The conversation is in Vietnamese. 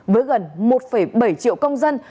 với gần một bảy triệu công dân